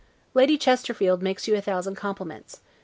Lady Chesterfield makes you a thousand compliments.